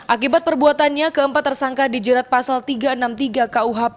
akibat perbuatannya keempat tersangka dijerat pasal tiga ratus enam puluh tiga kuhp